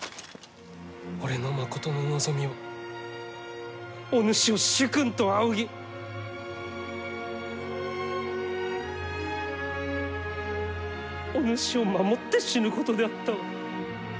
俺のまことの望みはお主を主君と仰ぎお主を守って死ぬことであったわ。